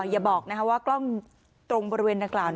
อย่าบอกว่ากล้องตรงบริเวณดังกล่าว